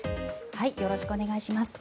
よろしくお願いします。